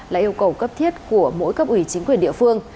là yêu cầu cấp thiết của mỗi cấp ủy chính quyền địa phương